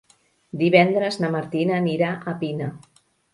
Divendres na Martina anirà a Pina.